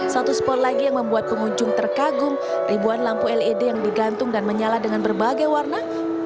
satu spot lagi yang membuat pengunjung terkagum ribuan lampu led yang digantung dan menyala dengan berbagai warna